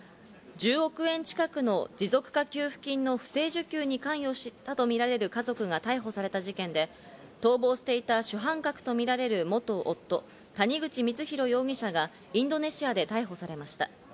１０億円近くの持続化給付金の不正受給に関与したとみられる家族が逮捕された事件で、逃亡していた主犯格とみられる元夫・谷口光弘容疑者がインドネシアで逮捕されました。